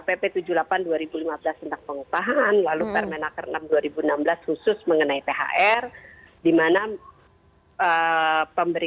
pp tujuh puluh delapan dua ribu lima belas tentang pengupahan lalu permenaker enam dua ribu enam belas khusus mengenai thr dimana pemberi